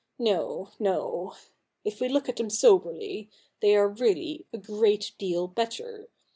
No — no. If we look at them soberly, they are really a great deal better.